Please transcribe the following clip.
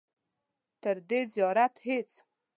تر دې زیات هېڅ.